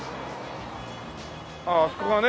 あああそこがね